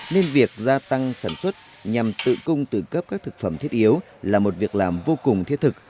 nên việc gia tăng sản xuất nhằm tự cung tự cấp các thực phẩm thiết yếu là một việc làm vô cùng thiết thực